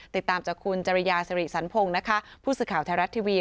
ติดตามจากคุณจริยาสิริสันพงศ์นะคะผู้สื่อข่าวไทยรัฐทีวี